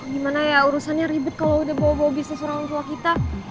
gimana ya urusannya ribet kalau udah bawa bawa bisnis orang tua kita